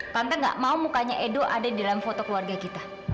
tante gak mau mukanya edo ada di dalam foto keluarga kita